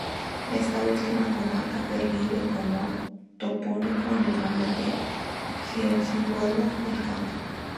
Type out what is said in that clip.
Esta última comarca pervive como topónimo en el nombre de Herguijuela del Campo.